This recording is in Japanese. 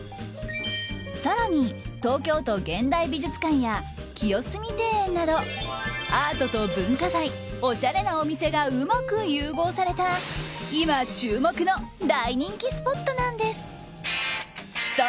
更に東京都現代美術館や清澄庭園などアートと文化財おしゃれなお店がうまく融合された今、注目の大人気スポットなんです。